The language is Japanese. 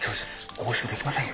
押収できませんよ。